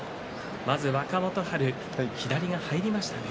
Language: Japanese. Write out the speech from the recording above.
若元春、左が入りましたね。